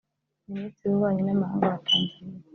minisitiri w’ububanyi n’amahanga wa Tanzania